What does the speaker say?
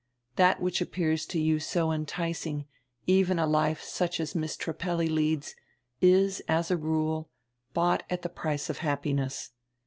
That which appears to you so enticing, even a life such as Miss Trippelli leads, is as a rule bought at die price of happiness.